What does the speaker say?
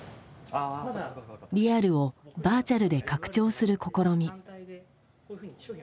リアルをバーチャルで拡張する試み。